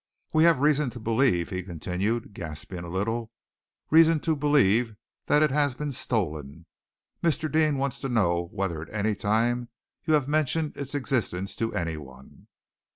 "We have reason to believe," he continued, gasping a little, "reason to believe that it has been stolen. Mr. Deane wants to know whether at any time you have mentioned its existence to anyone."